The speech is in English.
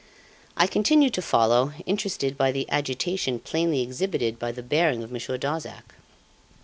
I continued to follow, interested by the agitation plainly exhibited by the bearing of Monsieur Darzac.